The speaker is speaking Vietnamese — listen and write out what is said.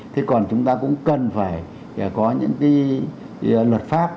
thế còn chúng ta cũng cần phải có những cái luật pháp